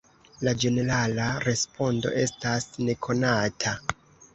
La ĝenerala respondo estas nekonata.